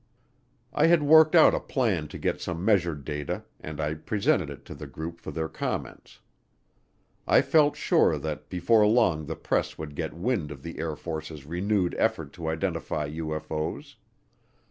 I had worked out a plan to get some measured data, and I presented it to the group for their comments. I felt sure that before long the press would get wind of the Air Force's renewed effort to identify UFO's.